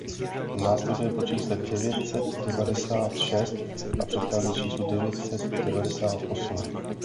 Následuje po čísle devět set devadesát šest a předchází číslu devět set devadesát osm.